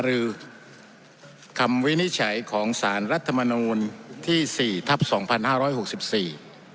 หรือคำวินิจฉัยของสารรัฐมนูลที่สี่ทับสองพันห้าร้อยหกสิบสี่